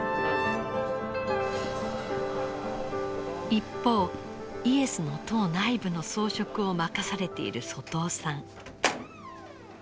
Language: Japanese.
一方イエスの塔内部の装飾を任されている外尾さん。